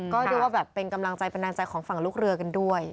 ก็เรียกว่าแบบเป็นกำลังใจบันดาลใจของฝั่งลูกเรือกันด้วย